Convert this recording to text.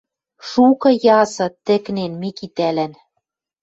Шукы ясы тӹкнен Микитӓлӓн